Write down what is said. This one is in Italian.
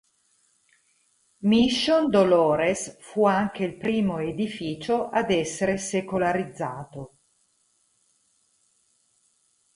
Mission Dolores fu anche il primo edificio ad essere secolarizzato.